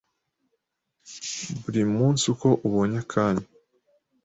buri munsi uko ubonye akanya,